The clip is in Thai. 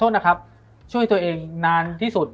มันทำให้ชีวิตผู้มันไปไม่รอด